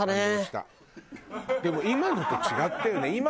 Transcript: でも今のと違ったよね？